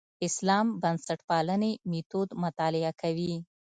اسلام بنسټپالنې میتود مطالعه کوي.